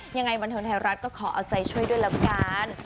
ยังไงบันเทิงไทยรัฐก็ขอเอาใจช่วยด้วยแล้วกัน